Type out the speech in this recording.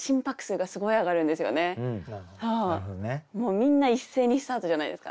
みんな一斉にスタートじゃないですか。